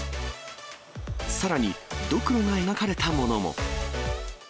さらに、ドクロが描かれたものも。